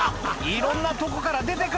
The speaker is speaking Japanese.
いろんなとこから出て来る」